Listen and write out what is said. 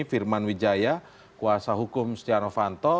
firman wijaya kuasa hukum setia novanto